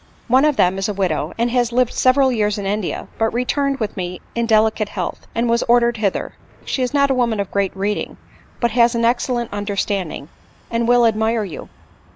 One of them is a widow, and has lived several years in India, but returned with me in delicate health, and was ordered hither : she is not a woman of great reading, but has an excellent understanding, and will admire you.